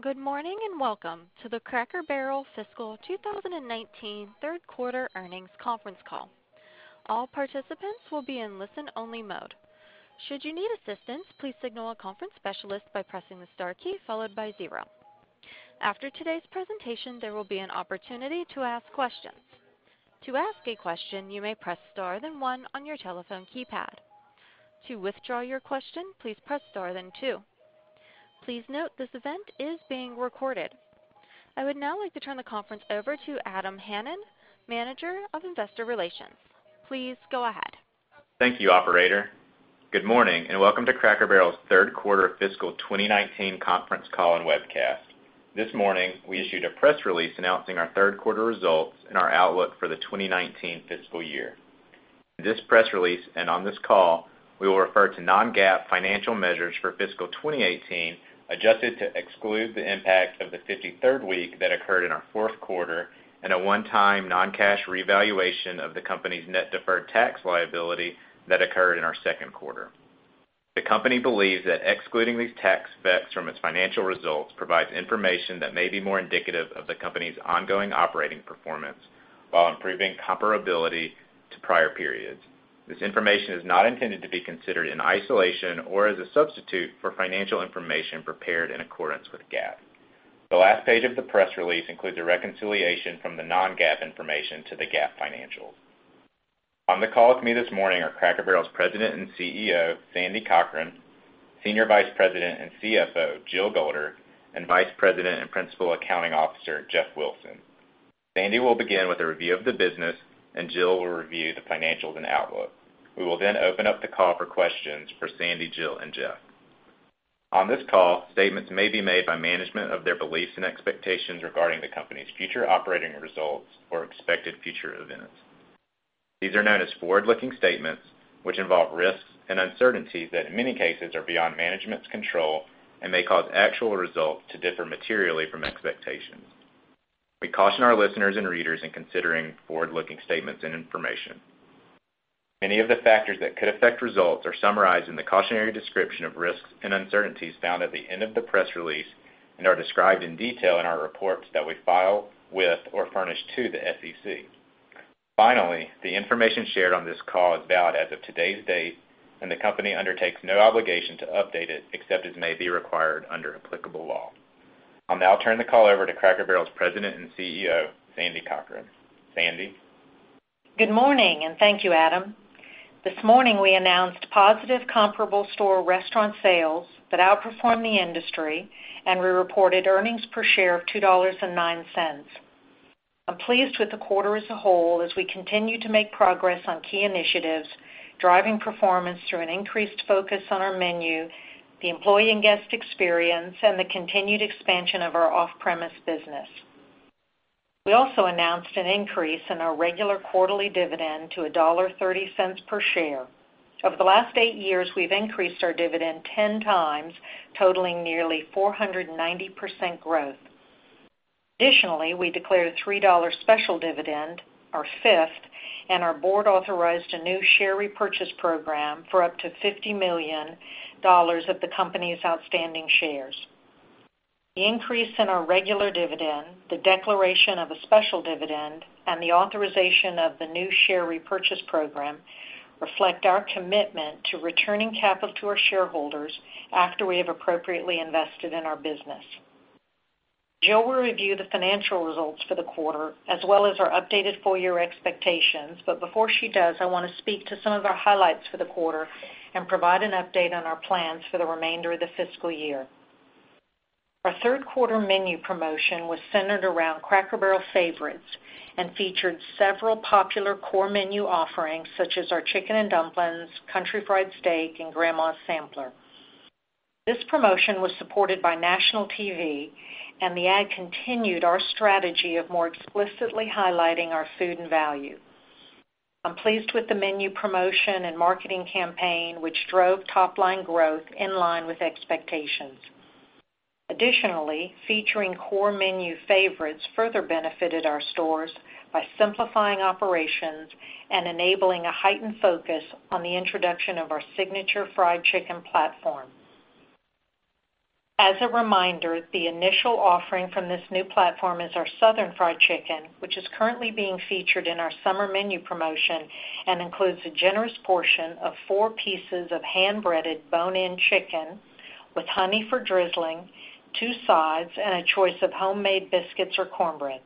Good morning, and welcome to the Cracker Barrel fiscal 2019 third quarter earnings conference call. All participants will be in listen-only mode. Should you need assistance, please signal a conference specialist by pressing the star key followed by zero. After today's presentation, there will be an opportunity to ask questions. To ask a question, you may press star, then one on your telephone keypad. To withdraw your question, please press star, then two. Please note this event is being recorded. I would now like to turn the conference over to Adam Hanan, Manager of Investor Relations. Please go ahead. Thank you, operator. Good morning, and welcome to Cracker Barrel's third quarter fiscal 2019 conference call and webcast. This morning, we issued a press release announcing our third quarter results and our outlook for the 2019 fiscal year. This press release and on this call, we will refer to non-GAAP financial measures for fiscal 2018, adjusted to exclude the impact of the 53rd week that occurred in our fourth quarter, and a one-time non-cash revaluation of the company's net deferred tax liability that occurred in our second quarter. The company believes that excluding these tax effects from its financial results provides information that may be more indicative of the company's ongoing operating performance, while improving comparability to prior periods. This information is not intended to be considered in isolation or as a substitute for financial information prepared in accordance with GAAP. The last page of the press release includes a reconciliation from the non-GAAP information to the GAAP financials. On the call with me this morning are Cracker Barrel's President and CEO, Sandy Cochran, Senior Vice President and CFO, Jill Golder, and Vice President and Principal Accounting Officer, Jeff Wilson. Sandy will begin with a review of the business, and Jill will review the financials and outlook. We will then open up the call for questions for Sandy, Jill, and Jeff. On this call, statements may be made by management of their beliefs and expectations regarding the company's future operating results or expected future events. These are known as forward-looking statements, which involve risks and uncertainties that in many cases are beyond management's control and may cause actual results to differ materially from expectations. We caution our listeners and readers in considering forward-looking statements and information. Many of the factors that could affect results are summarized in the cautionary description of risks and uncertainties found at the end of the press release and are described in detail in our reports that we file with or furnish to the SEC. Finally, the information shared on this call is valid as of today's date, and the company undertakes no obligation to update it except as may be required under applicable law. I'll now turn the call over to Cracker Barrel's President and CEO, Sandy Cochran. Sandy? Good morning, and thank you, Adam. This morning, we announced positive comparable store restaurant sales that outperformed the industry, and we reported earnings per share of $2.09. I'm pleased with the quarter as a whole as we continue to make progress on key initiatives, driving performance through an increased focus on our menu, the employee and guest experience, and the continued expansion of our off-premise business. We also announced an increase in our regular quarterly dividend to $1.30 per share. Over the last eight years, we've increased our dividend 10 times, totaling nearly 490% growth. Additionally, we declared a $3 special dividend, our fifth, and our board authorized a new share repurchase program for up to $50 million of the company's outstanding shares. The increase in our regular dividend, the declaration of a special dividend, and the authorization of the new share repurchase program reflect our commitment to returning capital to our shareholders after we have appropriately invested in our business. Jill will review the financial results for the quarter as well as our updated full-year expectations. Before she does, I want to speak to some of our highlights for the quarter and provide an update on our plans for the remainder of the fiscal year. Our third quarter menu promotion was centered around Cracker Barrel favorites and featured several popular core menu offerings such as our Chicken n' Dumplins, Country Fried Steak, and Grandma's Sampler. This promotion was supported by national TV, and the ad continued our strategy of more explicitly highlighting our food and value. I'm pleased with the menu promotion and marketing campaign, which drove top-line growth in line with expectations. Additionally, featuring core menu favorites further benefited our stores by simplifying operations and enabling a heightened focus on the introduction of our signature fried chicken platform. As a reminder, the initial offering from this new platform is our Southern Fried Chicken, which is currently being featured in our summer menu promotion and includes a generous portion of four pieces of hand-breaded bone-in chicken with honey for drizzling, two sides, and a choice of homemade biscuits or cornbread.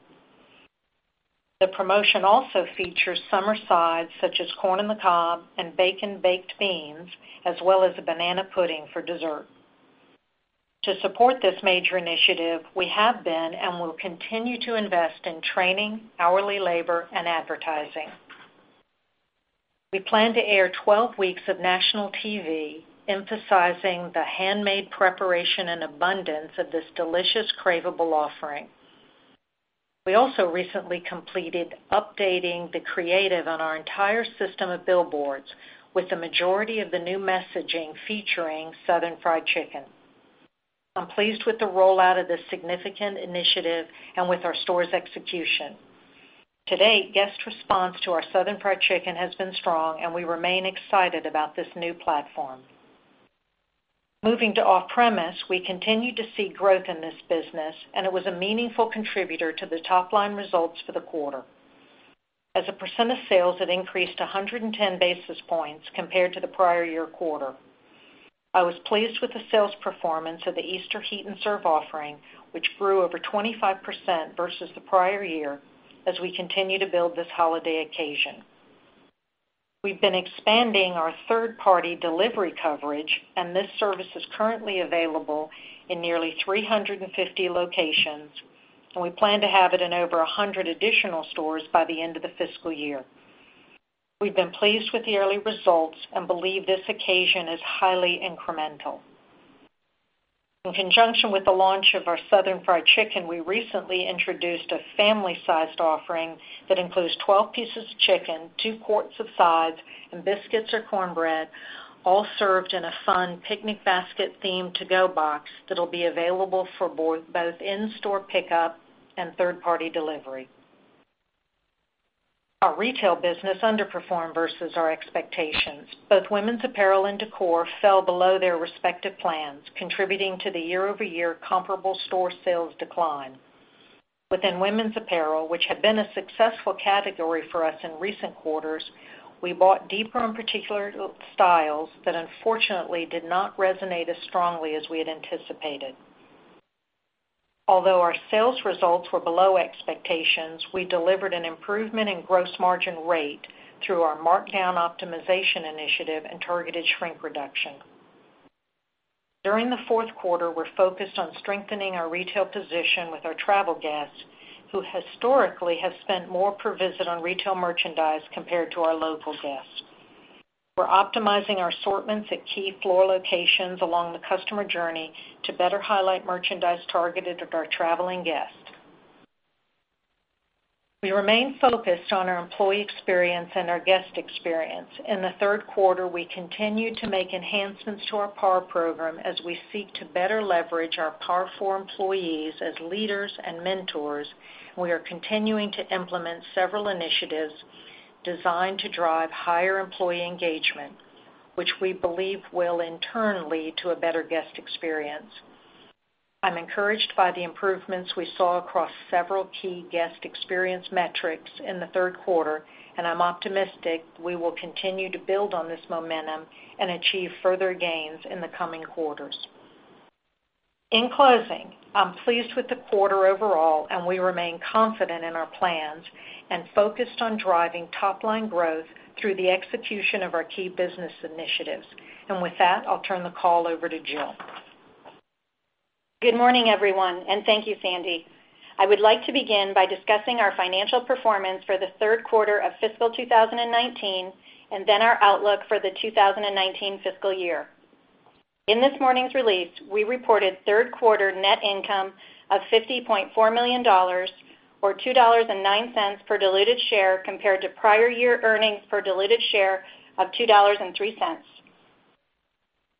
The promotion also features summer sides such as corn on the cob and bacon baked beans, as well as a Banana Pudding for dessert. To support this major initiative, we have been and will continue to invest in training, hourly labor, and advertising. We plan to air 12 weeks of national TV emphasizing the handmade preparation and abundance of this delicious, craveable offering. We also recently completed updating the creative on our entire system of billboards, with the majority of the new messaging featuring Southern Fried Chicken. I'm pleased with the rollout of this significant initiative and with our stores' execution. To date, guest response to our Southern Fried Chicken has been strong, and we remain excited about this new platform. Moving to off-premise, we continue to see growth in this business, and it was a meaningful contributor to the top-line results for the quarter. As a percent of sales, it increased 110 basis points compared to the prior year quarter. I was pleased with the sales performance of the Easter Heat N' Serve offering, which grew over 25% versus the prior year as we continue to build this holiday occasion. We've been expanding our third-party delivery coverage. This service is currently available in nearly 350 locations, and we plan to have it in over 100 additional stores by the end of the fiscal year. We've been pleased with the early results and believe this occasion is highly incremental. In conjunction with the launch of our Southern Fried Chicken, we recently introduced a family-sized offering that includes 12 pieces of chicken, two quarts of sides, and biscuits or cornbread, all served in a fun picnic basket-themed to-go box that'll be available for both in-store pickup and third-party delivery. Our retail business underperformed versus our expectations. Both women's apparel and decor fell below their respective plans, contributing to the year-over-year comparable store sales decline. Within women's apparel, which had been a successful category for us in recent quarters, we bought deeper on particular styles that unfortunately did not resonate as strongly as we had anticipated. Although our sales results were below expectations, we delivered an improvement in gross margin rate through our markdown optimization initiative and targeted shrink reduction. During the fourth quarter, we're focused on strengthening our retail position with our travel guests, who historically have spent more per visit on retail merchandise compared to our local guests. We're optimizing our assortments at key floor locations along the customer journey to better highlight merchandise targeted at our traveling guests. We remain focused on our employee experience and our guest experience. In the third quarter, we continued to make enhancements to our PAR program as we seek to better leverage our PAR-4 employees as leaders and mentors. We are continuing to implement several initiatives designed to drive higher employee engagement, which we believe will in turn lead to a better guest experience. I'm encouraged by the improvements we saw across several key guest experience metrics in the third quarter. I'm optimistic we will continue to build on this momentum and achieve further gains in the coming quarters. In closing, I'm pleased with the quarter overall. We remain confident in our plans and focused on driving top-line growth through the execution of our key business initiatives. With that, I'll turn the call over to Jill. Good morning, everyone, and thank you, Sandy. I would like to begin by discussing our financial performance for the third quarter of fiscal 2019, and then our outlook for the 2019 fiscal year. In this morning's release, we reported third quarter net income of $50.4 million, or $2.09 per diluted share, compared to prior year earnings per diluted share of $2.03.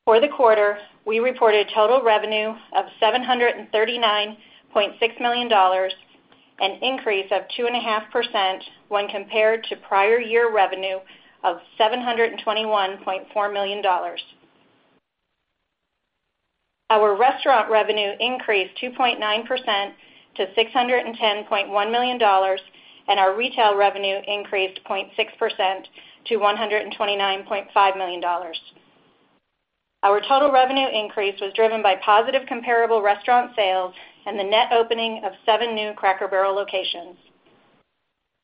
For the quarter, we reported total revenue of $739.6 million, an increase of 2.5% when compared to prior year revenue of $721.4 million. Our restaurant revenue increased 2.9% to $610.1 million, and our retail revenue increased 0.6% to $129.5 million. Our total revenue increase was driven by positive comparable restaurant sales and the net opening of seven new Cracker Barrel locations.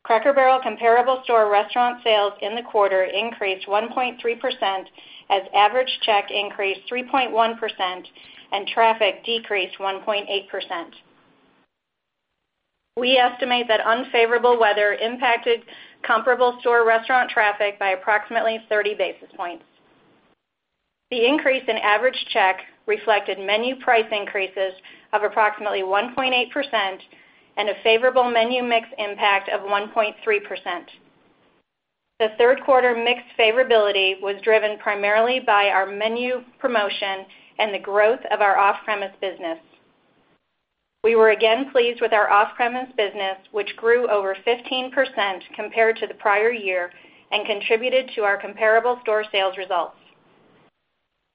Cracker Barrel comparable store restaurant sales in the quarter increased 1.3% as average check increased 3.1% and traffic decreased 1.8%. We estimate that unfavorable weather impacted comparable store restaurant traffic by approximately 30 basis points. The increase in average check reflected menu price increases of approximately 1.8% and a favorable menu mix impact of 1.3%. The third quarter mix favorability was driven primarily by our menu promotion and the growth of our off-premise business. We were again pleased with our off-premise business, which grew over 15% compared to the prior year and contributed to our comparable store sales results.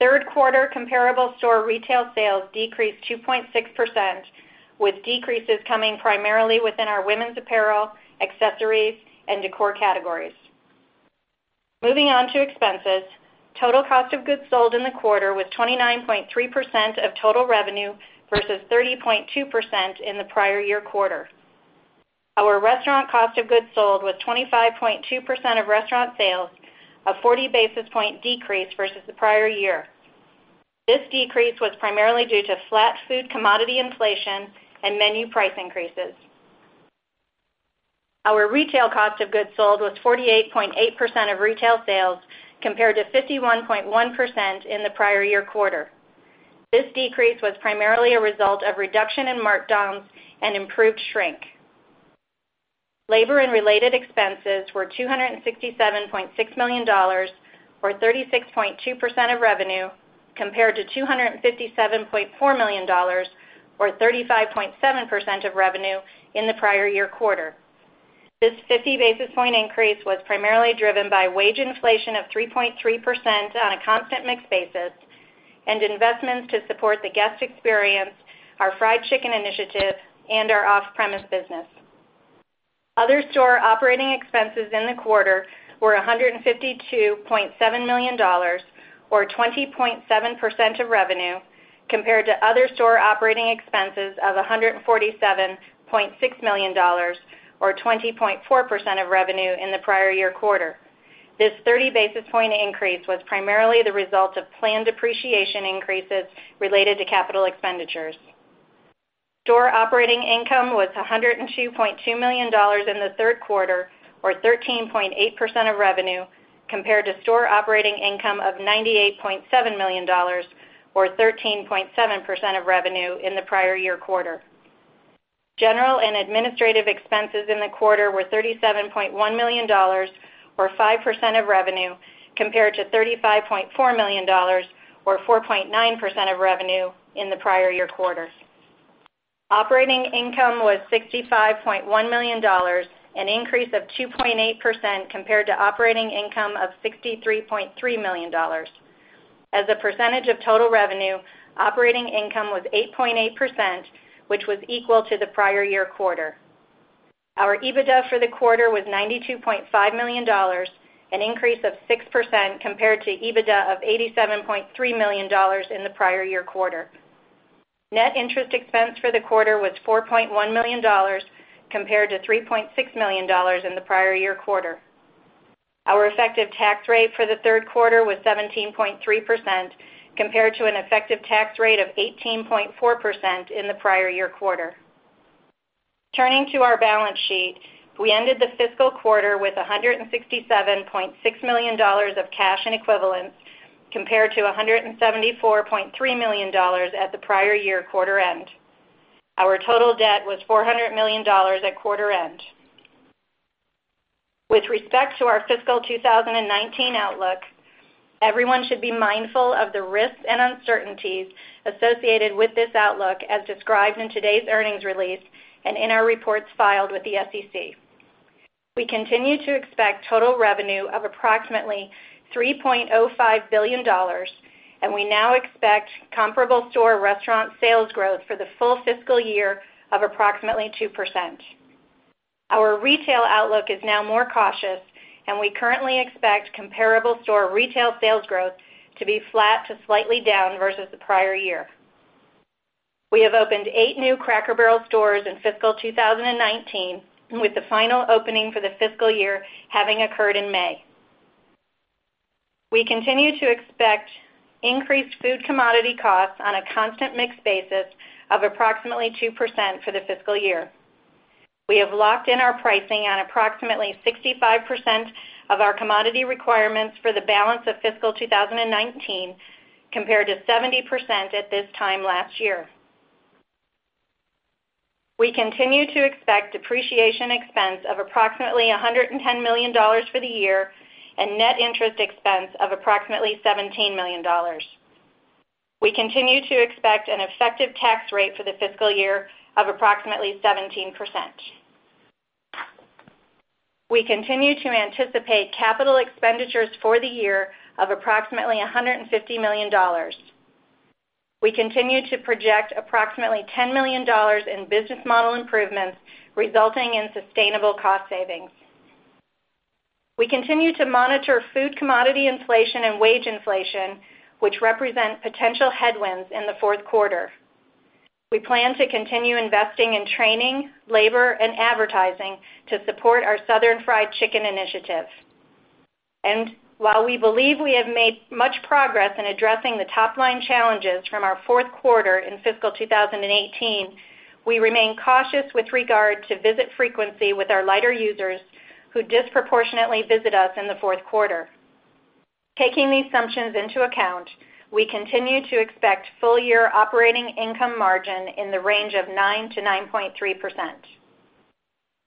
Third quarter comparable store retail sales decreased 2.6%, with decreases coming primarily within our women's apparel, accessories, and decor categories. Moving on to expenses. Total cost of goods sold in the quarter was 29.3% of total revenue versus 30.2% in the prior year quarter. Our restaurant cost of goods sold was 25.2% of restaurant sales, a 40 basis point decrease versus the prior year. This decrease was primarily due to flat food commodity inflation and menu price increases. Our retail cost of goods sold was 48.8% of retail sales, compared to 51.1% in the prior year quarter. This decrease was primarily a result of reduction in markdowns and improved shrink. Labor and related expenses were $267.6 million, or 36.2% of revenue compared to $257.4 million or 35.7% of revenue in the prior year quarter. This 50 basis point increase was primarily driven by wage inflation of 3.3% on a constant mix basis and investments to support the guest experience, our fried chicken initiative, and our off-premise business. Other store operating expenses in the quarter were $152.7 million or 20.7% of revenue, compared to other store operating expenses of $147.6 million or 20.4% of revenue in the prior year quarter. This 30 basis point increase was primarily the result of planned depreciation increases related to capital expenditures. Store operating income was $102.2 million in the third quarter or 13.8% of revenue, compared to store operating income of $98.7 million or 13.7% of revenue in the prior year quarter. General and administrative expenses in the quarter were $37.1 million or 5% of revenue, compared to $35.4 million or 4.9% of revenue in the prior year quarter. Operating income was $65.1 million, an increase of 2.8% compared to operating income of $63.3 million. As a percentage of total revenue, operating income was 8.8%, which was equal to the prior year quarter. Our EBITDA for the quarter was $92.5 million, an increase of 6% compared to EBITDA of $87.3 million in the prior year quarter. Net interest expense for the quarter was $4.1 million compared to $3.6 million in the prior year quarter. Our effective tax rate for the third quarter was 17.3% compared to an effective tax rate of 18.4% in the prior year quarter. Turning to our balance sheet, we ended the fiscal quarter with $167.6 million of cash and equivalents compared to $174.3 million at the prior year quarter end. Our total debt was $400 million at quarter end. With respect to our fiscal 2019 outlook, everyone should be mindful of the risks and uncertainties associated with this outlook as described in today's earnings release and in our reports filed with the SEC. We continue to expect total revenue of approximately $3.05 billion, and we now expect comparable store restaurant sales growth for the full fiscal year of approximately 2%. Our retail outlook is now more cautious, and we currently expect comparable store retail sales growth to be flat to slightly down versus the prior year. We have opened eight new Cracker Barrel stores in fiscal 2019, with the final opening for the fiscal year having occurred in May. We continue to expect increased food commodity costs on a constant mix basis of approximately 2% for the fiscal year. We have locked in our pricing on approximately 65% of our commodity requirements for the balance of fiscal 2019, compared to 70% at this time last year. We continue to expect depreciation expense of approximately $110 million for the year and net interest expense of approximately $17 million. We continue to expect an effective tax rate for the fiscal year of approximately 17%. We continue to anticipate capital expenditures for the year of approximately $150 million. We continue to project approximately $10 million in business model improvements resulting in sustainable cost savings. We continue to monitor food commodity inflation and wage inflation, which represent potential headwinds in the fourth quarter. We plan to continue investing in training, labor, and advertising to support our Southern Fried Chicken initiative. While we believe we have made much progress in addressing the top-line challenges from our fourth quarter in fiscal 2018, we remain cautious with regard to visit frequency with our lighter users who disproportionately visit us in the fourth quarter. Taking these assumptions into account, we continue to expect full year operating income margin in the range of 9%-9.3%.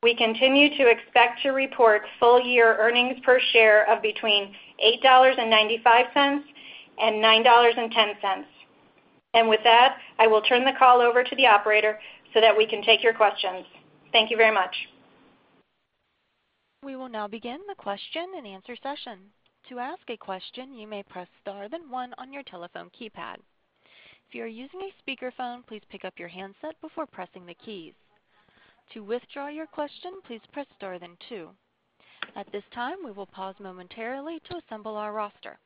We continue to expect to report full year earnings per share of between $8.95 and $9.10. With that, I will turn the call over to the operator so that we can take your questions. Thank you very much. We will now begin the question and answer session. To ask a question, you may press star then one on your telephone keypad. If you are using a speakerphone, please pick up your handset before pressing the keys. To withdraw your question, please press star then two. At this time, we will pause momentarily to assemble our roster.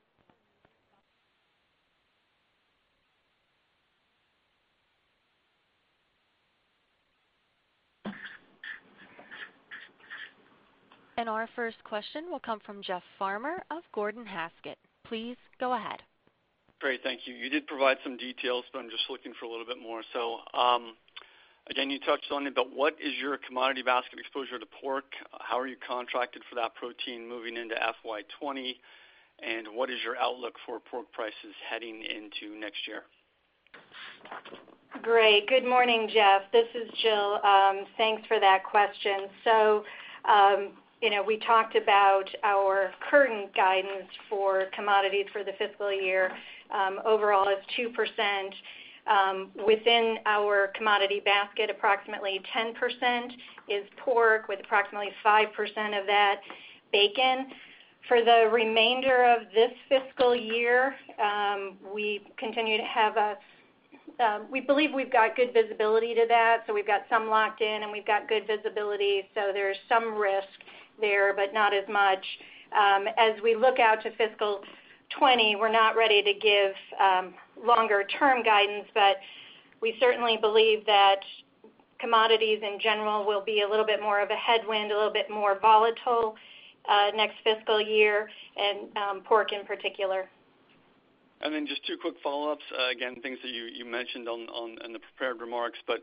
Our first question will come from Jeff Farmer of Gordon Haskett. Please go ahead. Great. Thank you. You did provide some details, but I'm just looking for a little bit more. Again, you touched on it, but what is your commodity basket exposure to pork? How are you contracted for that protein moving into FY 2020? What is your outlook for pork prices heading into next year? Great. Good morning, Jeff. This is Jill. Thanks for that question. We talked about our current guidance for commodities for the fiscal year. Overall, it's 2%. Within our commodity basket, approximately 10% is pork, with approximately 5% of that bacon. For the remainder of this fiscal year, we believe we've got good visibility to that. We've got some locked in, and we've got good visibility. There's some risk there, but not as much. As we look out to FY 2020, we're not ready to give longer term guidance, but we certainly believe that commodities in general will be a little bit more of a headwind, a little bit more volatile next fiscal year, and pork in particular. Just two quick follow-ups. Again, things that you mentioned in the prepared remarks, but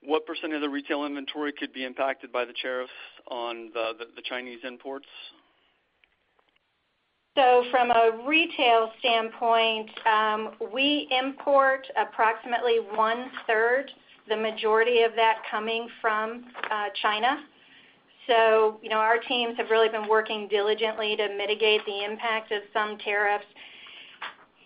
what % of the retail inventory could be impacted by the tariffs on the Chinese imports? From a retail standpoint, we import approximately one third, the majority of that coming from China. Our teams have really been working diligently to mitigate the impact of some tariffs.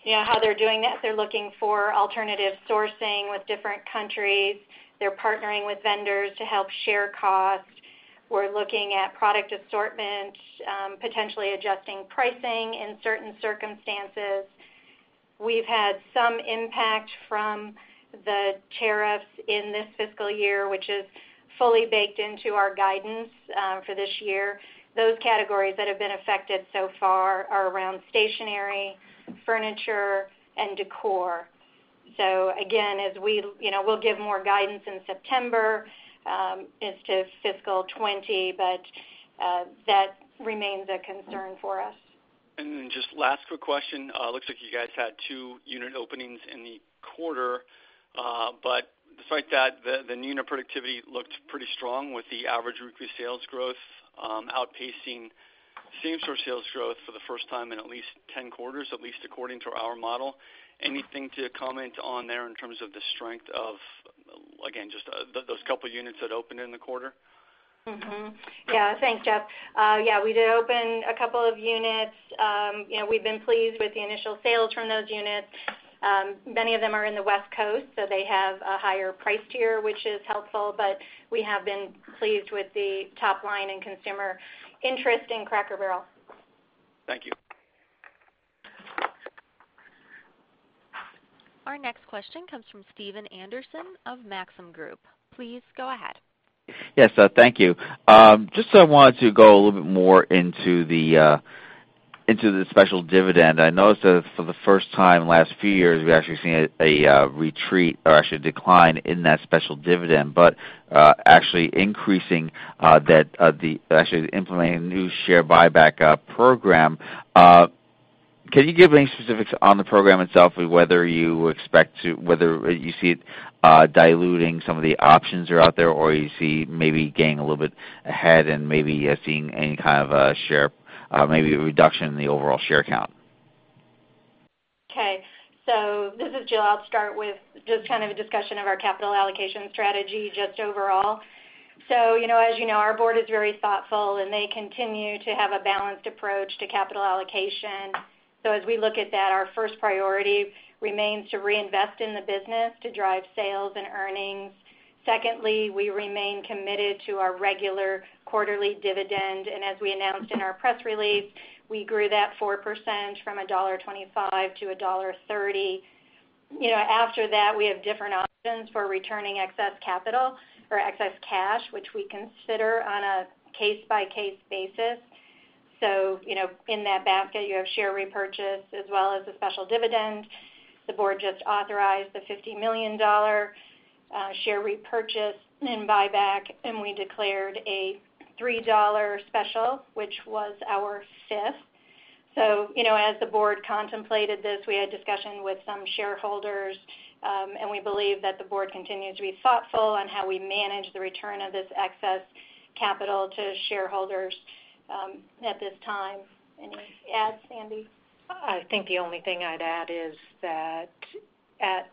How they're doing that, they're looking for alternative sourcing with different countries. They're partnering with vendors to help share costs. We're looking at product assortment, potentially adjusting pricing in certain circumstances. We've had some impact from the tariffs in this fiscal year, which is fully baked into our guidance for this year. Those categories that have been affected so far are around stationery, furniture, and decor. Again, we'll give more guidance in September as to FY 2020, but that remains a concern for us. Just last quick question. Looks like you guys had two unit openings in the quarter. Despite that, the unit productivity looked pretty strong with the average weekly sales growth, outpacing same-store sales growth for the first time in at least 10 quarters, at least according to our model. Anything to comment on there in terms of the strength of, again, just those couple units that opened in the quarter? Thanks, Jeff. We did open a couple of units. We've been pleased with the initial sales from those units. Many of them are in the West Coast, so they have a higher price tier, which is helpful. We have been pleased with the top line and consumer interest in Cracker Barrel. Thank you. Our next question comes from Stephen Anderson of Maxim Group. Please go ahead. Thank you. I wanted to go a little bit more into the special dividend. I noticed that for the first time in last few years, we're actually seeing a retreat or actually a decline in that special dividend, actually implementing a new share buyback program. Can you give any specifics on the program itself, whether you see it diluting some of the options that are out there, or you see maybe getting a little bit ahead and maybe seeing any kind of a share, maybe a reduction in the overall share count? This is Jill. I'll start with just kind of a discussion of our capital allocation strategy just overall. As you know, our board is very thoughtful, and they continue to have a balanced approach to capital allocation. As we look at that, our first priority remains to reinvest in the business to drive sales and earnings. Secondly, we remain committed to our regular quarterly dividend, and as we announced in our press release, we grew that 4% from $1.25 to $1.30. After that, we have different options for returning excess capital or excess cash, which we consider on a case-by-case basis. In that basket, you have share repurchase as well as a special dividend. The board just authorized a $50 million share repurchase and buyback, and we declared a $3 special, which was our fifth. As the board contemplated this, we had discussion with some shareholders, and we believe that the board continues to be thoughtful on how we manage the return of this excess capital to shareholders at this time. Any adds, Sandy? I think the only thing I'd add is that at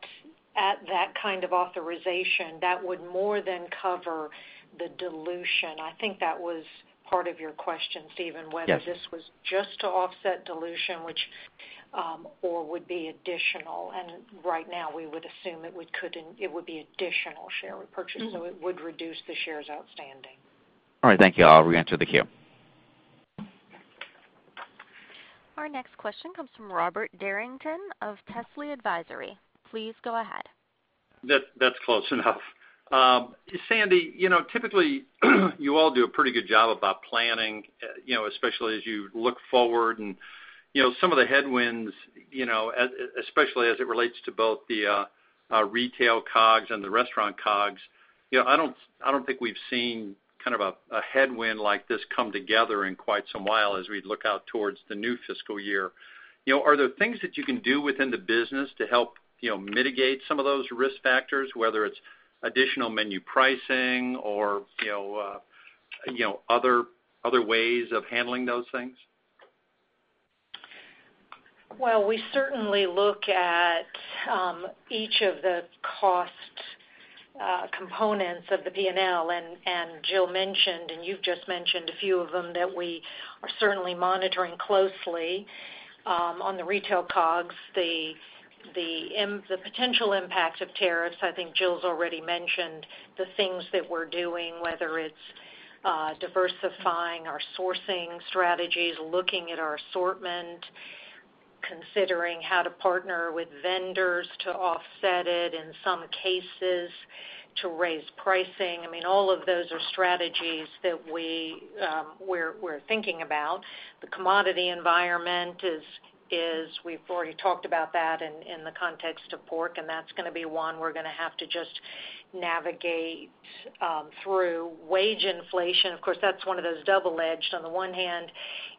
that kind of authorization, that would more than cover the dilution. I think that was part of your question, Stephen. Yes whether this was just to offset dilution, or would be additional. Right now, we would assume it would be additional share repurchase. It would reduce the shares outstanding. All right. Thank you. I will reenter the queue. Our next question comes from Robert Derrington of Telsey Advisory. Please go ahead. That is close enough. Sandy, typically, you all do a pretty good job about planning, especially as you look forward and some of the headwinds, especially as it relates to both the retail COGS and the restaurant COGS. I don't think we have seen kind of a headwind like this come together in quite some while as we look out towards the new fiscal year. Are there things that you can do within the business to help mitigate some of those risk factors, whether it is additional menu pricing or other ways of handling those things? We certainly look at each of the cost components of the P&L. Jill mentioned, and you've just mentioned a few of them that we are certainly monitoring closely. On the retail COGS, the potential impact of tariffs, I think Jill's already mentioned the things that we're doing, whether it's diversifying our sourcing strategies, looking at our assortment, considering how to partner with vendors to offset it, in some cases, to raise pricing. All of those are strategies that we're thinking about. The commodity environment is, we've already talked about that in the context of pork, and that's going to be one we're going to have to just navigate through wage inflation. Of course, that's one of those double-edged. On the one hand,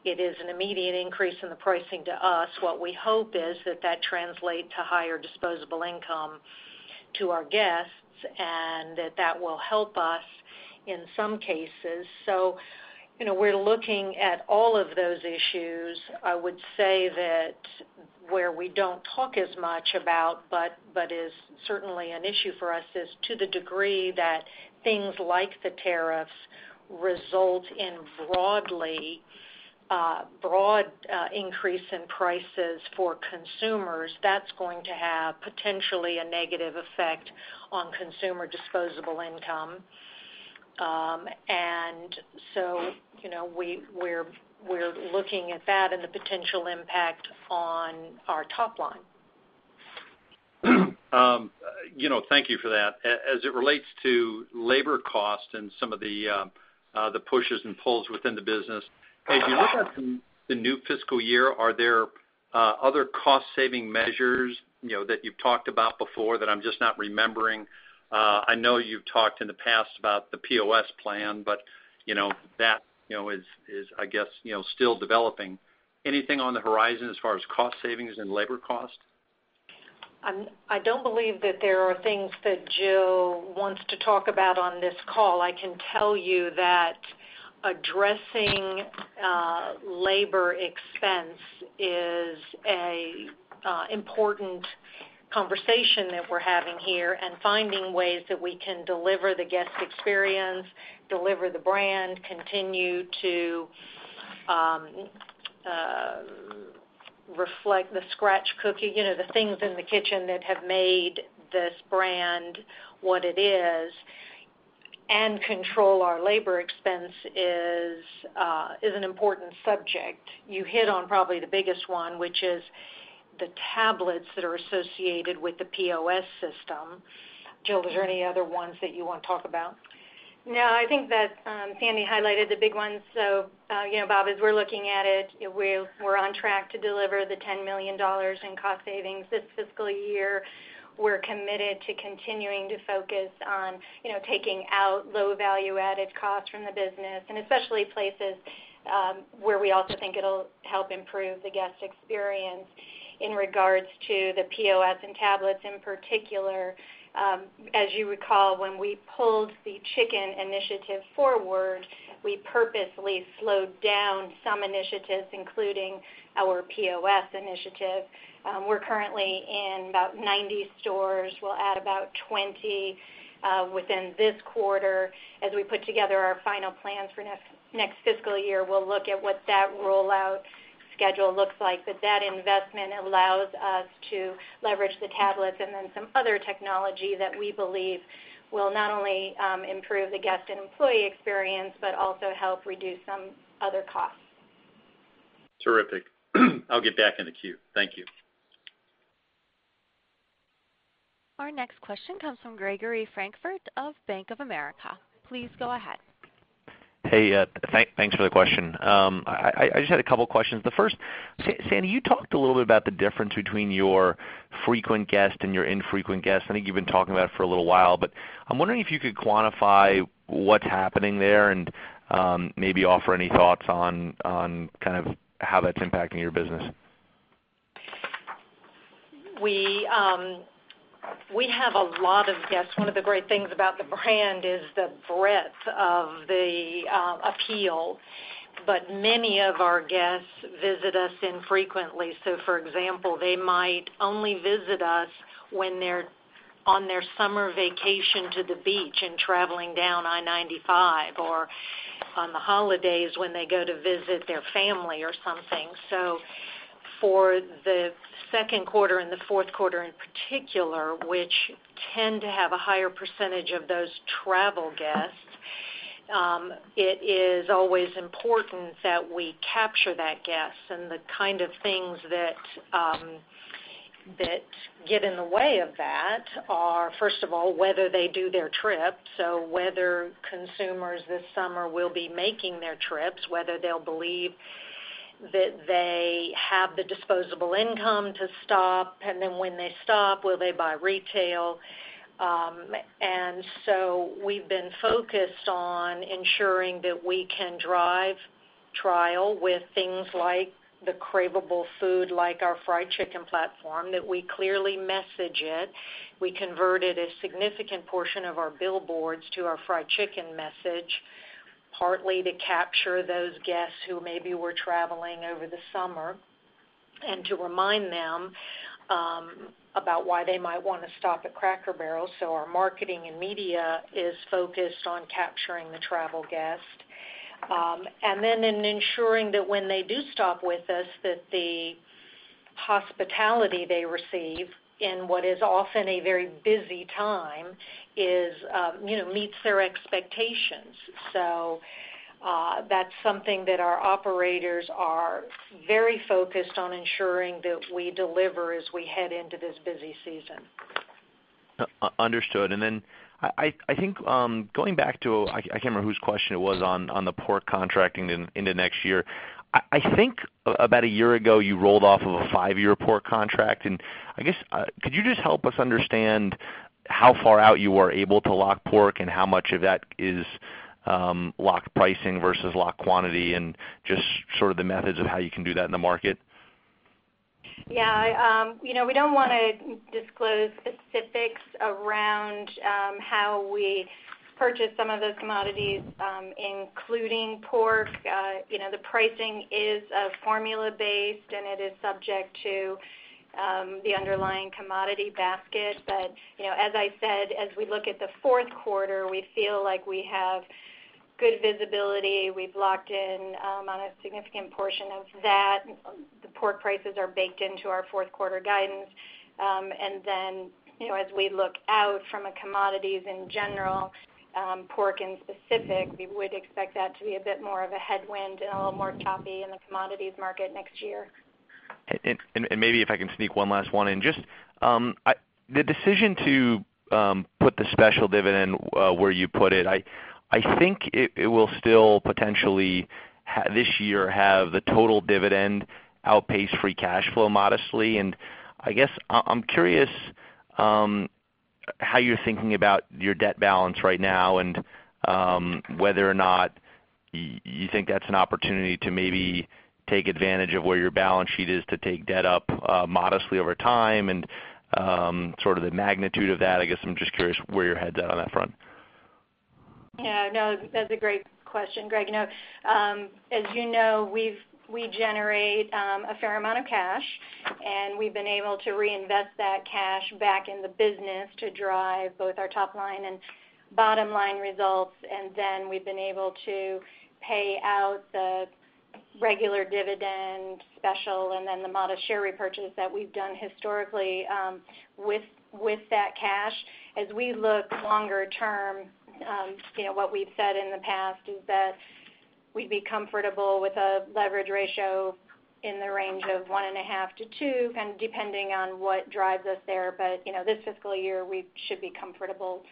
it is an immediate increase in the pricing to us. What we hope is that translates to higher disposable income to our guests and that will help us in some cases. We're looking at all of those issues. I would say that where we don't talk as much about but is certainly an issue for us is to the degree that things like the tariffs result in broadly broad increase in prices for consumers. That's going to have potentially a negative effect on consumer disposable income. We're looking at that and the potential impact on our top line. Thank you for that. As it relates to labor cost and some of the pushes and pulls within the business, as you look at the new fiscal year, are there other cost-saving measures that you've talked about before that I'm just not remembering? I know you've talked in the past about the POS plan, but that is, I guess, still developing. Anything on the horizon as far as cost savings and labor cost? I don't believe that there are things that Jill wants to talk about on this call. I can tell you that addressing labor expense is an important conversation that we're having here and finding ways that we can deliver the guest experience, deliver the brand, continue to reflect the scratch cooking, the things in the kitchen that have made this brand what it is, and control our labor expense is an important subject. You hit on probably the biggest one, which is the tablets that are associated with the POS system. Jill, is there any other ones that you want to talk about? I think that Sandy highlighted the big ones. Bob, as we're looking at it, we're on track to deliver the $10 million in cost savings this fiscal year. We're committed to continuing to focus on taking out low value-added costs from the business, and especially places where we also think it'll help improve the guest experience in regards to the POS and tablets in particular. As you recall, when we pulled the chicken initiative forward, we purposely slowed down some initiatives, including our POS initiative. We're currently in about 90 stores. We'll add about 20 within this quarter. As we put together our final plans for next fiscal year, we'll look at what that rollout schedule looks like. That investment allows us to leverage the tablets and then some other technology that we believe will not only improve the guest and employee experience, but also help reduce some other costs. Terrific. I'll get back in the queue. Thank you. Our next question comes from Gregory Francfort of Bank of America. Please go ahead. Hey, thanks for the question. I just had a couple questions. The first, Sandy, you talked a little bit about the difference between your frequent guest and your infrequent guest. I think you've been talking about it for a little while, but I'm wondering if you could quantify what's happening there and maybe offer any thoughts on how that's impacting your business. We have a lot of guests. One of the great things about the brand is the breadth of the appeal, but many of our guests visit us infrequently. For example, they might only visit us when they're on their summer vacation to the beach and traveling down I-95 or on the holidays when they go to visit their family or something. For the second quarter and the fourth quarter in particular, which tend to have a higher percentage of those travel guests, it is always important that we capture that guest. The kind of things that get in the way of that are, first of all, whether they do their trip, so whether consumers this summer will be making their trips, whether they'll believe that they have the disposable income to stop, and then when they stop, will they buy retail? We've been focused on ensuring that we can drive trial with things like the craveable food, like our fried chicken platform, that we clearly message it. We converted a significant portion of our billboards to our fried chicken message. Partly to capture those guests who maybe were traveling over the summer and to remind them about why they might want to stop at Cracker Barrel. Our marketing and media is focused on capturing the travel guest. Then ensuring that when they do stop with us, that the hospitality they receive, in what is often a very busy time, meets their expectations. That's something that our operators are very focused on ensuring that we deliver as we head into this busy season. Understood. I think, going back to, I can't remember whose question it was on the pork contracting into next year. I think about a year ago, you rolled off of a five-year pork contract, I guess, could you just help us understand how far out you are able to lock pork and how much of that is locked pricing versus locked quantity, and just sort of the methods of how you can do that in the market? Yeah. We don't want to disclose specifics around how we purchase some of those commodities, including pork. The pricing is formula based, and it is subject to the underlying commodity basket. As I said, as we look at the fourth quarter, we feel like we have good visibility. We've locked in on a significant portion of that. The pork prices are baked into our fourth-quarter guidance. As we look out from a commodities in general, pork in specific, we would expect that to be a bit more of a headwind and a little more choppy in the commodities market next year. Maybe if I can sneak one last one in. The decision to put the special dividend where you put it, I think it will still potentially, this year, have the total dividend outpace free cash flow modestly. I guess, I'm curious how you're thinking about your debt balance right now and whether or not you think that's an opportunity to maybe take advantage of where your balance sheet is to take debt up modestly over time and sort of the magnitude of that. I guess I'm just curious where your head's at on that front. Yeah, no, that's a great question, Greg. As you know, we generate a fair amount of cash, and we've been able to reinvest that cash back in the business to drive both our top line and bottom-line results. We've been able to pay out the regular dividend special and then the modest share repurchase that we've done historically with that cash. As we look longer term, what we've said in the past is that we'd be comfortable with a leverage ratio in the range of one and a half to two, kind of depending on what drives us there. This fiscal year, we should be comfortable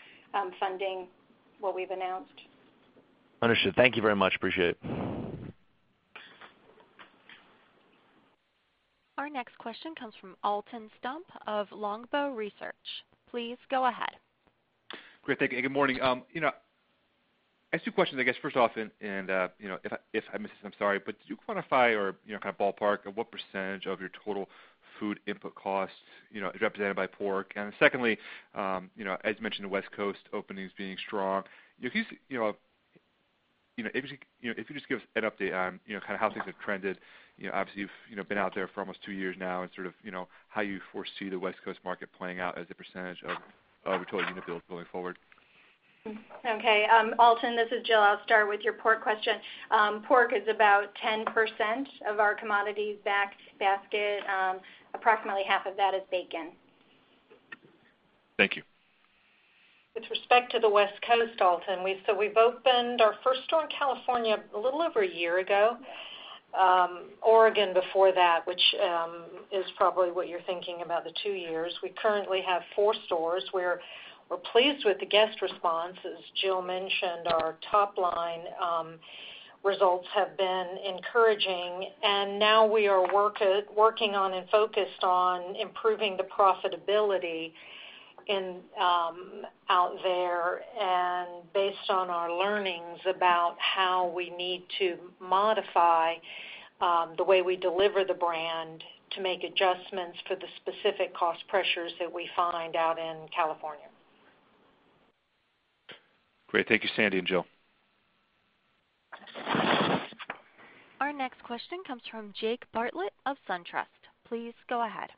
funding what we've announced. Understood. Thank you very much. Appreciate it. Our next question comes from Alton Stump of Longbow Research. Please go ahead. Great. Thank you. Good morning. I have two questions, I guess. First off, if I miss this, I'm sorry, but did you quantify or kind of ballpark what percentage of your total food input costs is represented by pork? Secondly, as you mentioned, the West Coast openings being strong. If you could just give us an update on how things have trended. Obviously, you've been out there for almost two years now and sort of how you foresee the West Coast market playing out as a percentage of total unit build going forward. Okay. Alton, this is Jill. I'll start with your pork question. Pork is about 10% of our commodities-backed basket. Approximately half of that is bacon. Thank you. With respect to the West Coast, Alton, we've opened our first store in California a little over a year ago. Oregon before that, which is probably what you're thinking about the two years. We currently have four stores. We're pleased with the guest response. As Jill mentioned, our top-line results have been encouraging, and now we are working on and focused on improving the profitability out there, and based on our learnings about how we need to modify the way we deliver the brand to make adjustments for the specific cost pressures that we find out in California. Great. Thank you, Sandy and Jill. Our next question comes from Jake Bartlett of SunTrust. Please go ahead.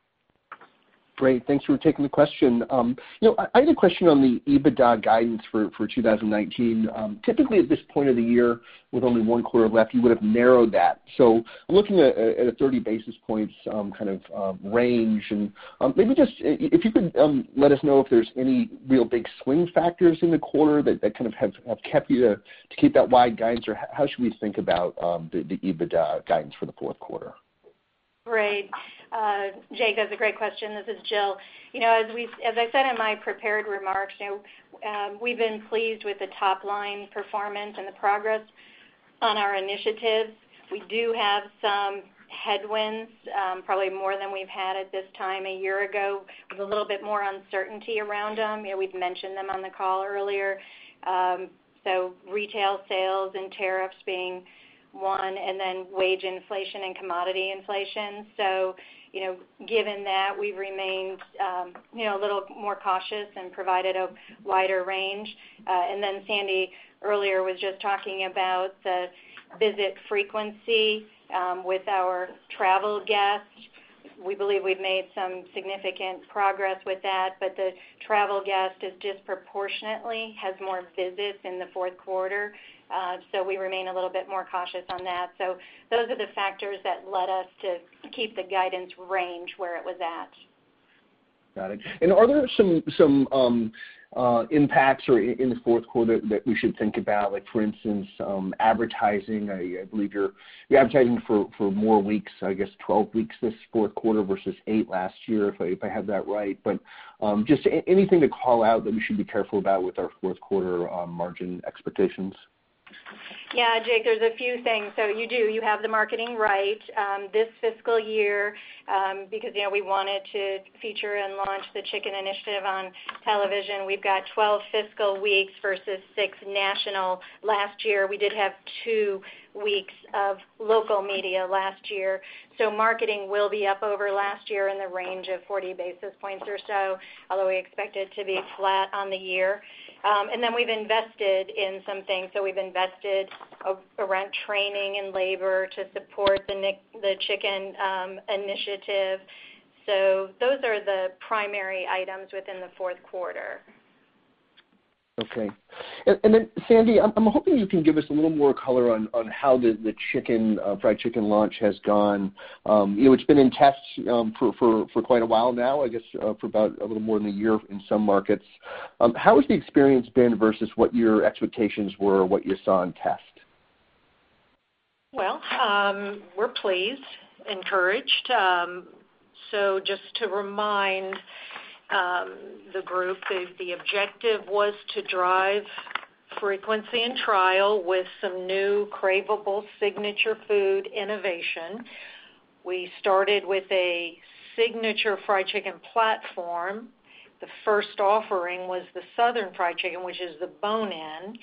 Great. Thanks for taking the question. I had a question on the EBITDA guidance for 2019. Typically, at this point of the year, with only one quarter left, you would have narrowed that. I'm looking at a 30 basis points kind of range. Maybe just if you could let us know if there's any real big swing factors in the quarter that kind of have kept you to keep that wide guidance, or how should we think about the EBITDA guidance for the fourth quarter? Great. Jake, that's a great question. This is Jill Golder. As I said in my prepared remarks, we've been pleased with the top-line performance and the progress on our initiatives. We do have some headwinds, probably more than we've had at this time a year ago. There's a little bit more uncertainty around them. We've mentioned them on the call earlier. Retail sales and tariffs being one, and then wage inflation and commodity inflation. Given that, we've remained a little more cautious and provided a wider range. Sandy earlier was just talking about the visit frequency with our travel guests. We believe we've made some significant progress with that, but the travel guest disproportionately has more visits in the fourth quarter. We remain a little bit more cautious on that. Those are the factors that led us to keep the guidance range where it was at. Got it. Are there some impacts or in the fourth quarter that we should think about? For instance, advertising, I believe you're advertising for more weeks, I guess 12 weeks this fourth quarter versus 8 last year, if I have that right. Just anything to call out that we should be careful about with our fourth quarter margin expectations? Yeah. Jake, there's a few things. You have the marketing right. This fiscal year, because we wanted to feature and launch the chicken initiative on television, we've got 12 fiscal weeks versus 6 national last year. We did have 2 weeks of local media last year. Marketing will be up over last year in the range of 40 basis points or so, although we expect it to be flat on the year. We've invested in some things. We've invested around training and labor to support the chicken initiative. Those are the primary items within the fourth quarter. Okay. Sandy, I'm hoping you can give us a little more color on how the fried chicken launch has gone. It's been in tests for quite a while now, I guess for about a little more than a year in some markets. How has the experience been versus what your expectations were or what you saw in test? We're pleased, encouraged. Just to remind the group, the objective was to drive frequency and trial with some new craveable signature food innovation. We started with a signature fried chicken platform. The first offering was the Southern Fried Chicken, which is the bone-in.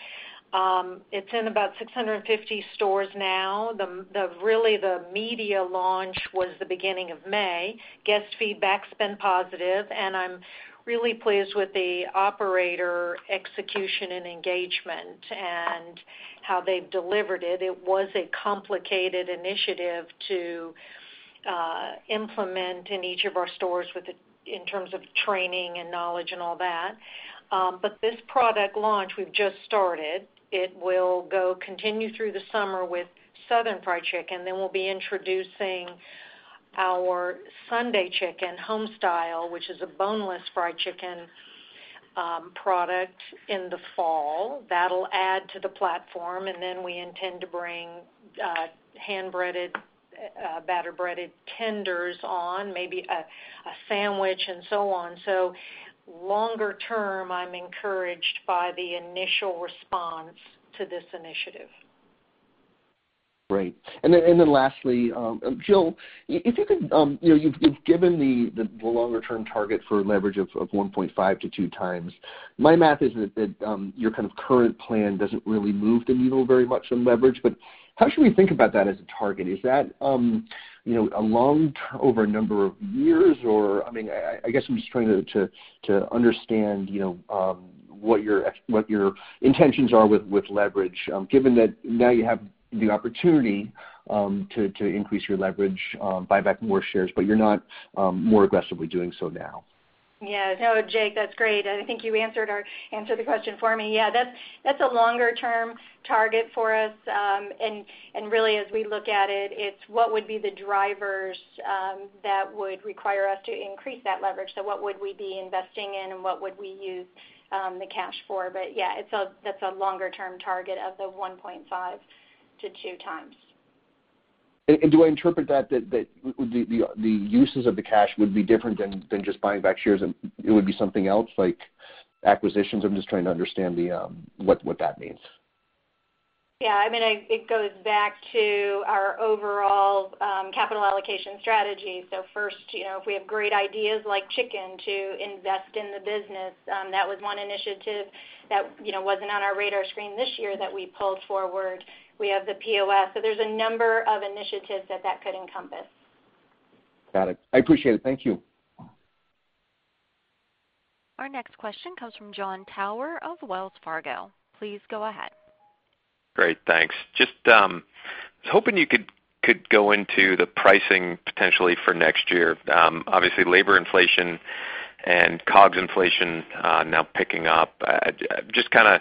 It's in about 650 stores now. Really, the media launch was the beginning of May. Guest feedback's been positive, and I'm really pleased with the operator execution and engagement and how they've delivered it. It was a complicated initiative to implement in each of our stores in terms of training and knowledge and all that. This product launch, we've just started. It will continue through the summer with Southern Fried Chicken. We'll be introducing our Sunday Homestyle Chicken, which is a boneless fried chicken product in the fall. That'll add to the platform. We intend to bring hand-breaded, batter-breaded tenders on, maybe a sandwich and so on. Longer term, I'm encouraged by the initial response to this initiative. Great. Lastly, Jill, you've given the longer term target for leverage of 1.5-2 times. My math is that your kind of current plan doesn't really move the needle very much on leverage, how should we think about that as a target? Is that over a number of years, or, I guess I'm just trying to understand what your intentions are with leverage, given that now you have the opportunity to increase your leverage, buy back more shares, you're not more aggressively doing so now. No, Jake, that's great. I think you answered the question for me. That's a longer term target for us. Really as we look at it's what would be the drivers that would require us to increase that leverage. What would we be investing in and what would we use the cash for. That's a longer term target of the 1.5-2 times. Do I interpret that the uses of the cash would be different than just buying back shares, and it would be something else like acquisitions? I'm just trying to understand what that means. Yeah. It goes back to our overall capital allocation strategy. First, if we have great ideas like chicken to invest in the business, that was one initiative that wasn't on our radar screen this year that we pulled forward. We have the POS. There's a number of initiatives that that could encompass. Got it. I appreciate it. Thank you. Our next question comes from Jon Tower of Wells Fargo. Please go ahead. Great. Thanks. Just hoping you could go into the pricing potentially for next year. Obviously, labor inflation and COGS inflation now picking up. Just kind of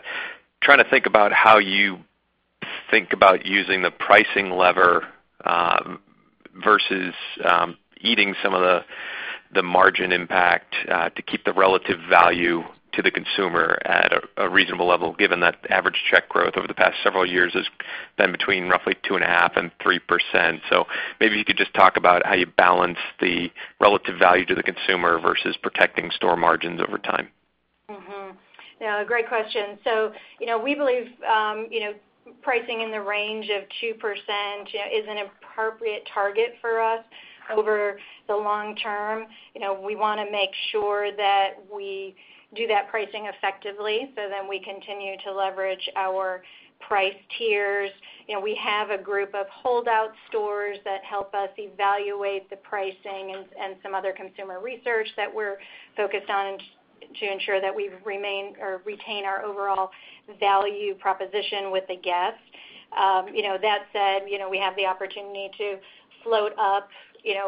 trying to think about how you think about using the pricing lever versus eating some of the margin impact to keep the relative value to the consumer at a reasonable level, given that average check growth over the past several years has been between roughly two and a half and 3%. Maybe you could just talk about how you balance the relative value to the consumer versus protecting store margins over time. Mm-hmm. Yeah, great question. We believe pricing in the range of 2% is an appropriate target for us over the long term. We want to make sure that we do that pricing effectively so then we continue to leverage our price tiers. We have a group of holdout stores that help us evaluate the pricing and some other consumer research that we're focused on in To ensure that we retain our overall value proposition with the guest. That said, we have the opportunity to float up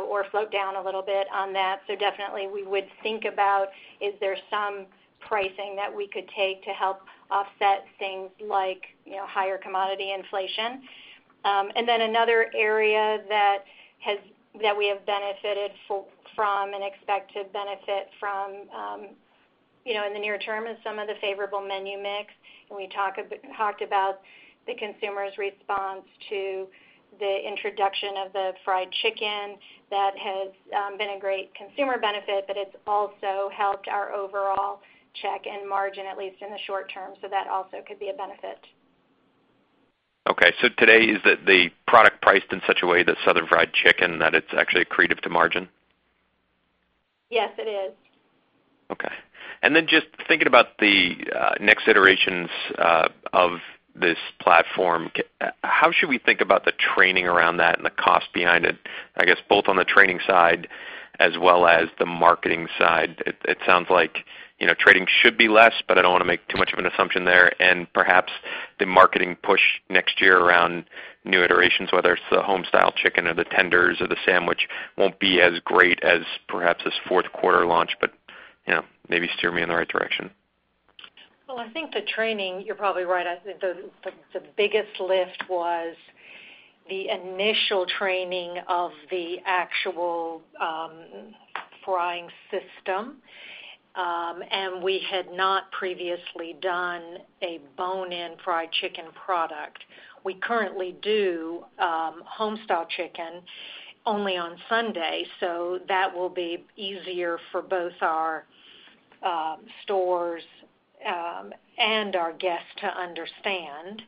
or float down a little bit on that. Definitely we would think about is there some pricing that we could take to help offset things like higher commodity inflation. Another area that we have benefited from and expect to benefit from in the near term is some of the favorable menu mix. We talked about the consumer's response to the introduction of the fried chicken. That has been a great consumer benefit, but it's also helped our overall check-in margin, at least in the short term. That also could be a benefit. Okay. Today, is the product priced in such a way, the Southern Fried Chicken, that it's actually accretive to margin? Yes, it is. Okay. Just thinking about the next iterations of this platform, how should we think about the training around that and the cost behind it? I guess both on the training side as well as the marketing side. It sounds like training should be less, but I don't want to make too much of an assumption there. Perhaps the marketing push next year around new iterations, whether it's the Homestyle Chicken or the Tenders or the sandwich, won't be as great as perhaps this fourth quarter launch. Maybe steer me in the right direction. Well, I think the training, you're probably right. I think the biggest lift was the initial training of the actual frying system. We had not previously done a bone-in fried chicken product. We currently do Homestyle Chicken only on Sunday, so that will be easier for both our stores and our guests to understand.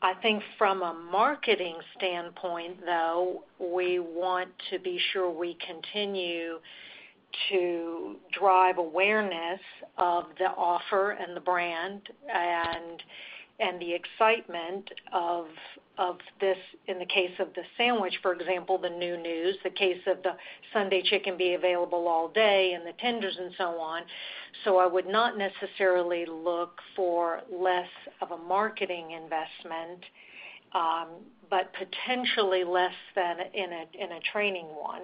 I think from a marketing standpoint, though, we want to be sure we continue to drive awareness of the offer and the brand and the excitement of this, in the case of the sandwich, for example, the new news, the case of the Sunday Chicken be available all day and the Tenders and so on. I would not necessarily look for less of a marketing investment, but potentially less than in a training one.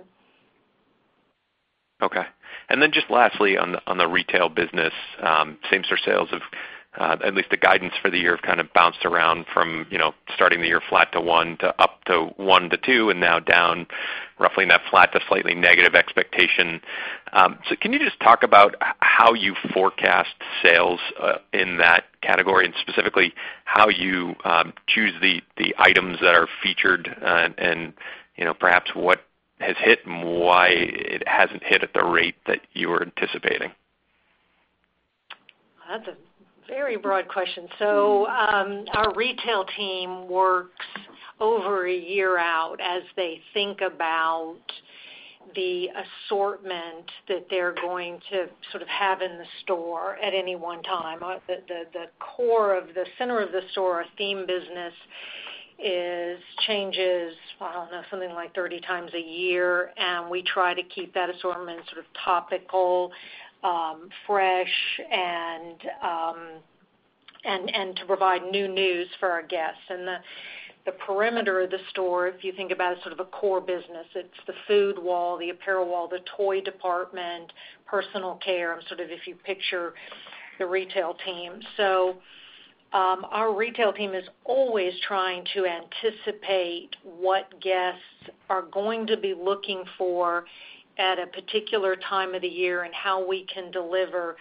Okay. Just lastly on the retail business, same store sales, at least the guidance for the year, have kind of bounced around from starting the year flat to 1%, to up to 1%-2%, and now down roughly in that flat to slightly negative expectation. Can you just talk about how you forecast sales in that category and specifically how you choose the items that are featured and perhaps what has hit and why it hasn't hit at the rate that you were anticipating? That's a very broad question. Our retail team works over a year out as they think about the assortment that they're going to sort of have in the store at any one time. The core of the center of the store, our theme business changes, I don't know, something like 30 times a year, and we try to keep that assortment sort of topical, fresh and to provide new news for our guests. The perimeter of the store, if you think about it, sort of a core business. It's the food wall, the apparel wall, the toy department, personal care, and sort of if you picture the retail team. Our retail team is always trying to anticipate what guests are going to be looking for at a particular time of the year and how we can deliver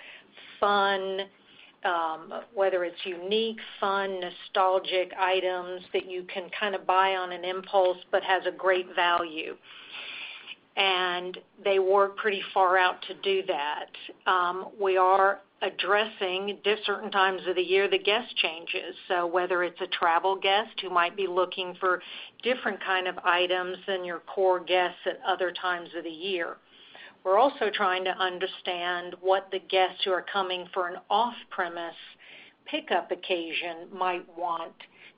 fun, whether it's unique, fun, nostalgic items that you can kind of buy on an impulse but has a great value. They work pretty far out to do that. We are addressing certain times of the year the guest changes. Whether it's a travel guest who might be looking for different kind of items than your core guests at other times of the year. We're also trying to understand what the guests who are coming for an off-premise pickup occasion might want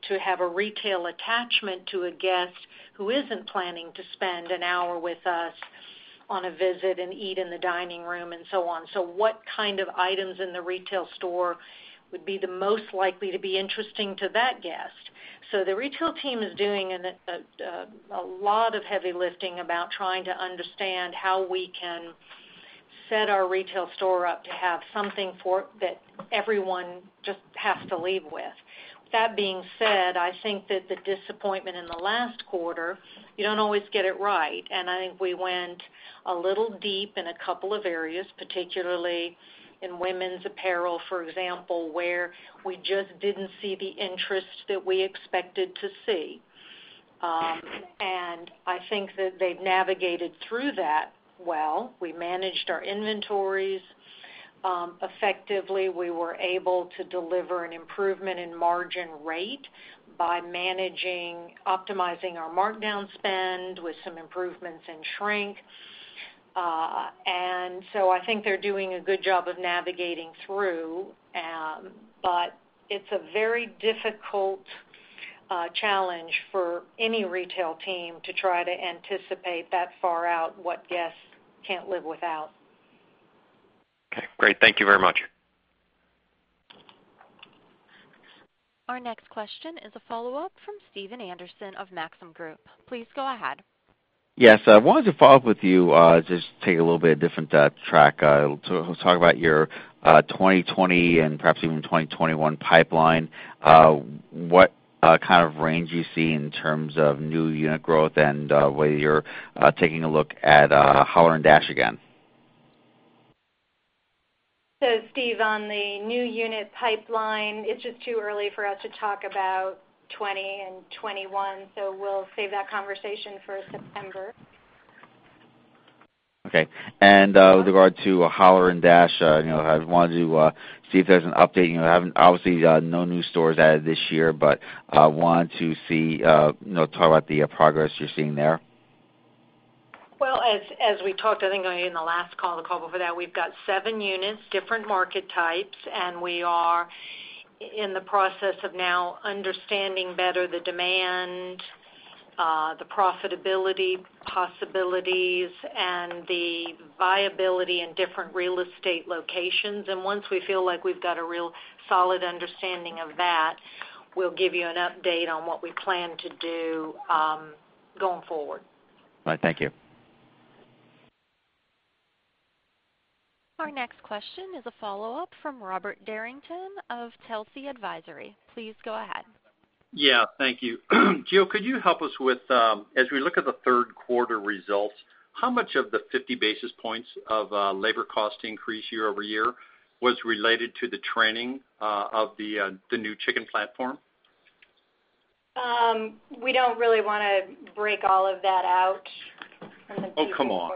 to have a retail attachment to a guest who isn't planning to spend an hour with us on a visit and eat in the dining room and so on. What kind of items in the retail store would be the most likely to be interesting to that guest? The retail team is doing a lot of heavy lifting about trying to understand how we can set our retail store up to have something that everyone just has to leave with. That being said, I think that the disappointment in the last quarter, you don't always get it right, and I think we went a little deep in a couple of areas, particularly in women's apparel, for example, where we just didn't see the interest that we expected to see. I think that they've navigated through that well. We managed our inventories effectively. We were able to deliver an improvement in margin rate by managing, optimizing our markdown spend with some improvements in shrink. I think they're doing a good job of navigating through. It's a very difficult challenge for any retail team to try to anticipate that far out what guests can't live without. Okay, great. Thank you very much. Our next question is a follow-up from Stephen Anderson of Maxim Group. Please go ahead. Yes, I wanted to follow up with you, just take a little bit different track. To talk about your 2020 and perhaps even 2021 pipeline. What kind of range do you see in terms of new unit growth and whether you're taking a look at Holler & Dash again? Steve, on the new unit pipeline, it's just too early for us to talk about 2020 and 2021, so we'll save that conversation for September. Okay. With regard to Holler & Dash, I wanted to see, talk about the progress you're seeing there. Well, as we talked, I think on the last call, the call before that, we've got seven units, different market types, and we are in the process of now understanding better the demand, the profitability possibilities, and the viability in different real estate locations. Once we feel like we've got a real solid understanding of that, we'll give you an update on what we plan to do, going forward. All right. Thank you. Our next question is a follow-up from Robert Derrington of Telsey Advisory. Please go ahead. Yeah, thank you. Jill, could you help us with, as we look at the third quarter results, how much of the 50 basis points of labor cost increase year-over-year was related to the training of the new chicken platform? We don't really want to break all of that out from the Q4. Oh, come on.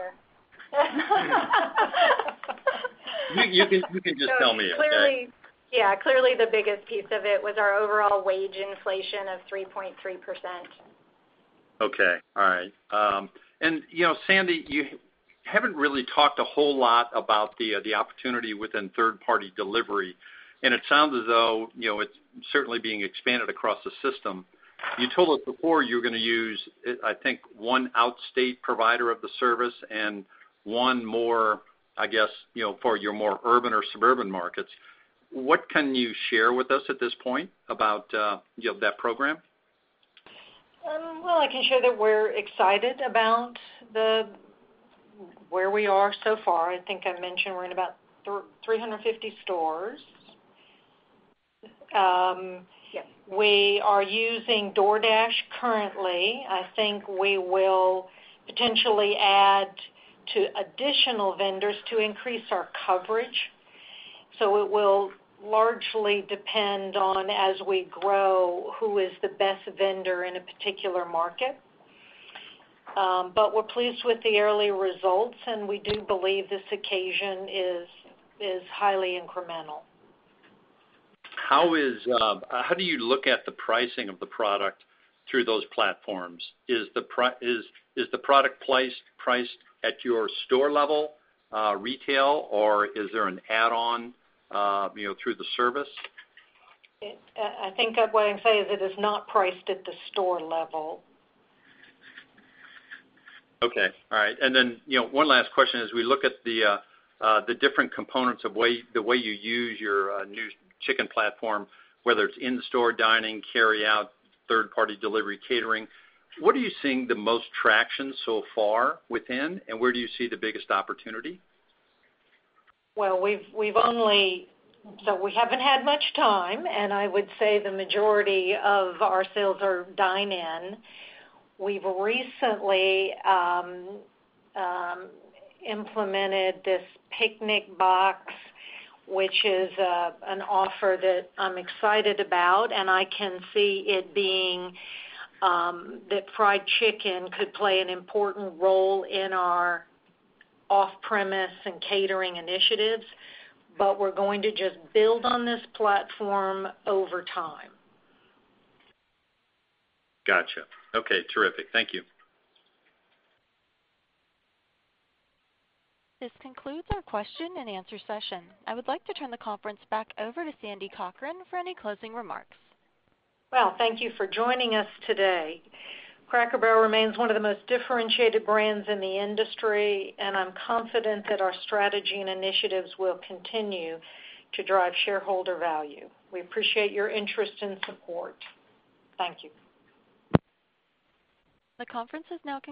You can just tell me, okay? Yeah. Clearly, the biggest piece of it was our overall wage inflation of 3.3%. Okay. All right. Sandy, you haven't really talked a whole lot about the opportunity within third-party delivery, and it sounds as though it's certainly being expanded across the system. You told us before you were going to use, I think, one outstate provider of the service and one more, I guess, for your more urban or suburban markets. What can you share with us at this point about that program? Well, I can share that we're excited about where we are so far. I think I mentioned we're in about 350 stores. We are using DoorDash currently. I think we will potentially add two additional vendors to increase our coverage. It will largely depend on, as we grow, who is the best vendor in a particular market. We're pleased with the early results, and we do believe this occasion is highly incremental. How do you look at the pricing of the product through those platforms? Is the product priced at your store level, retail, or is there an add-on through the service? I think what I'm saying is it is not priced at the store level. Okay. All right. Then, one last question. As we look at the different components of the way you use your new chicken platform, whether it's in-store dining, carry-out, third-party delivery, catering, what are you seeing the most traction so far within, and where do you see the biggest opportunity? Well, we haven't had much time, and I would say the majority of our sales are dine-in. We've recently implemented this picnic box, which is an offer that I'm excited about, and I can see it being that fried chicken could play an important role in our off-premise and catering initiatives. We're going to just build on this platform over time. Gotcha. Okay, terrific. Thank you. This concludes our question and answer session. I would like to turn the conference back over to Sandy Cochran for any closing remarks. Well, thank you for joining us today. Cracker Barrel remains one of the most differentiated brands in the industry, and I'm confident that our strategy and initiatives will continue to drive shareholder value. We appreciate your interest and support. Thank you. The conference is now concluded.